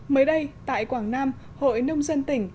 mới đây tại quảng nam hội nông dân tỉnh